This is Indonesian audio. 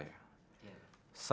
ya ya tuhan